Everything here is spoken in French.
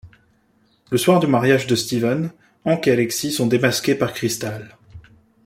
Le soir du mariage de Steven, Hank et Alexis sont démasqués par Cristal.